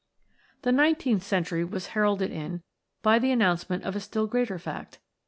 The nineteenth century was heralded in by the announcement of a still greater fact.